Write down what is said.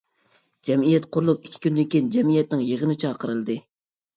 جەمئىيەت قۇرۇلۇپ ئىككى كۈندىن كىيىن جەمئىيەتنىڭ يىغىنى چاقىرىلدى.